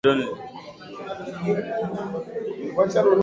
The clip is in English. The Metropolitan is Archbishop Salvatore Cordileone.